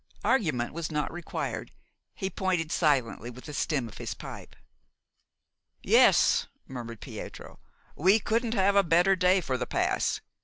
Argument was not required; he pointed silently with the stem of his pipe. "Yes," murmured Pietro. "We couldn't have a better day for the pass.